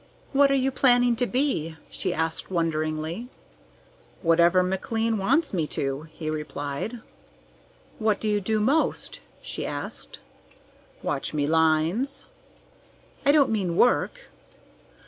"What are you planning to be?" she asked wonderingly. "Whatever Mr. McLean wants me to," he replied. "What do you do most?" she asked. "Watch me lines." "I don't mean work!"